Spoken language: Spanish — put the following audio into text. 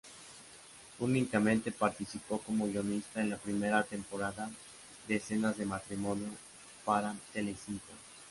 Únicamente participó como guionista en la primera temporada de "Escenas de matrimonio", para Telecinco.